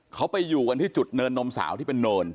เขาไปอยู่กันที่จุดเนินนมสาวที่เป็นเนิน